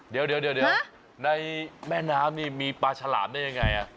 เดี๋ยวในแม่น้ำนี่มีปลาฉลามได้ยังไง